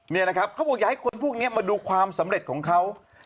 นี่นะครับเขาบอกอยากให้คนพวกนี้มาดูความสำเร็จของเขา